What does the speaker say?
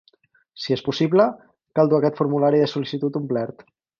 Si és possible, cal dur aquest formulari de sol·licitud omplert.